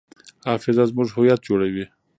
حافظه زموږ هویت جوړوي.